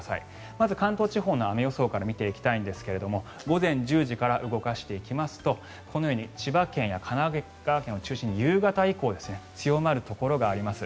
まず関東地方の雨予想から見ていきたいんですが午前１０時から動かしていきますとこのように千葉県や神奈川県を中心に夕方以降強まるところがあります。